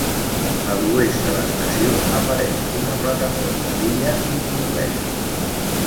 A l'oest de l'estació, apareix una plataforma d'illa incompleta.